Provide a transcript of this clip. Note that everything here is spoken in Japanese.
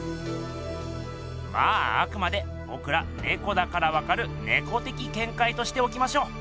まああくまでぼくらねこだからわかる「ねこ的見解」としておきましょう。